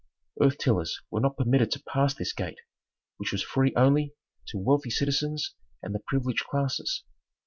Earth tillers were not permitted to pass this gate which was free only to wealthy citizens and the privileged classes.